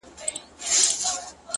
د نورو بریا ستایل لویوالی دی